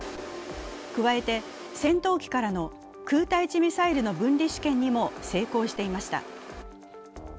加えて、戦闘機からの空対地ミサイルの分離試験にも成功していました。